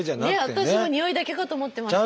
私もにおいだけかと思ってました。